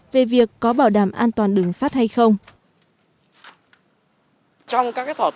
về việc có bảo đảm an toàn đường sắt hay không